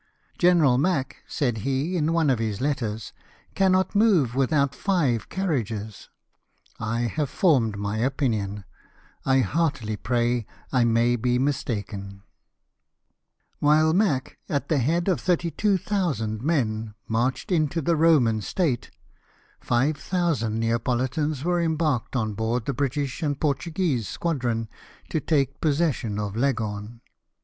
"General Mack," said he in one of his letters, " cannot move Avithout five carriages ! I have formed my opinion. I heartily pray I may be mistaken." While Mack, at the head of 32,000 men, marched into the Eoman State, 5,000 Neapolitans were em 168 LIFE OF NELSON. barked on board the British and Portuguese squadron to take possession of Leghorn.